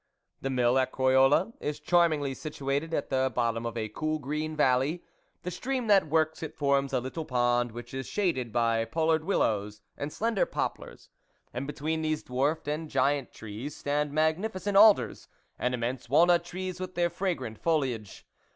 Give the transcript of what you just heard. The Mill at Croyolles is charm ingly situated at the bottom of a cool green valley; the stream that works it forms a little pond, which is shaded by pollard willows, and slender poplars ; and between these dwarfed and giant trees stand magnificent alders, and im mense walnut trees with their fragrant foliage.